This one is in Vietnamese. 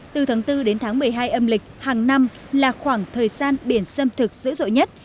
từ tháng bốn đến tháng một mươi hai âm lịch hàng năm là khoảng thời gian biển sâm thực dữ dội nhất